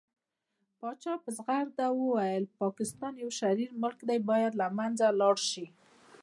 پاچا په ځغرده وويل پاکستان يو شرير ملک دى بايد له منځه ولاړ شي .